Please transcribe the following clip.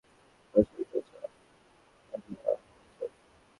তার সাথে তাড়াতাড়ি দেখা হয়ে যাবে।